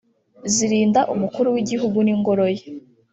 zirinda Umukuru w’Igihugu n’ingoro ye